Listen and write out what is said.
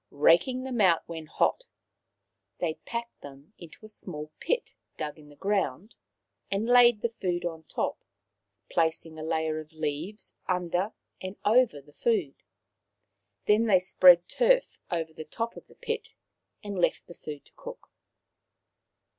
Raking them out when red hot, they packed them into a small pit dug in the ground, and laid the food on top, placing a layer of leaves under and over the food. They then spread turf over the top of the pit, and left the food to cook.